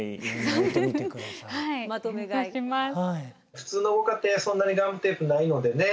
普通のご家庭はそんなにガムテープないのでね